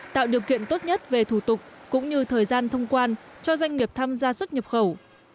tạo điều kiện tốt nhất về thủ tục cũng như thời gian thông quan cho doanh nghiệp tham gia xuất nhập khẩu